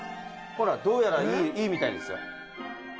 ほらどうやらいいみたいですよ。